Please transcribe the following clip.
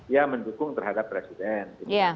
ya mendukung terhadap presiden